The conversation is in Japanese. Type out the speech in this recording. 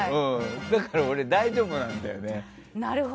だから俺、大丈夫なんだよね。